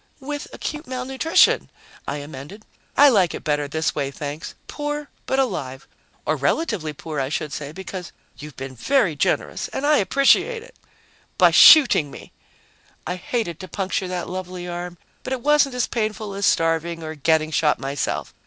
"With acute malnutrition," I amended. "I like it better this way, thanks poor, but alive. Or relatively poor, I should say, because you've been very generous and I appreciate it." "By shooting me!" "I hated to puncture that lovely arm, but it wasn't as painful as starving or getting shot myself.